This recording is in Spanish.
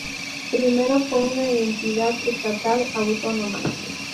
Primero fue una entidad estatal autónoma.